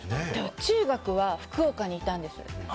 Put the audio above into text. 中学は福岡にいたんです。